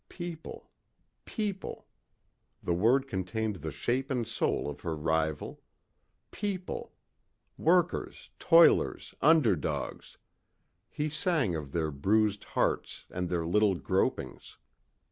People ... people ... the word contained the shape and soul of her rival. People ... workers, toilers, underdogs ... he sang of their bruised hearts and their little gropings.